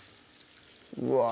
うわ